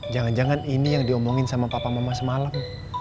jangan jangan ini yang diomongin sama papa mama semalam